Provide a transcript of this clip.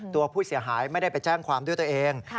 ตัวผู้เสียหายไม่ได้ไปแจ้งความด้วยตัวเอง